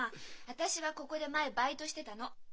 私はここで前バイトしてたの。